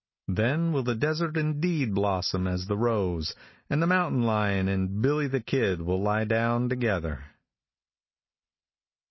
Then will the desert indeed blossom as the rose, and the mountain lion and "Billy the Kid" will lie down together.